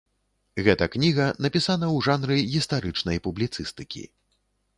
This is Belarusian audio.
Гэта кніга напісана ў жанры гістарычнай публіцыстыкі.